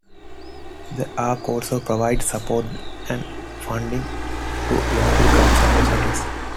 The Arc also provides support and funding to university clubs and societies.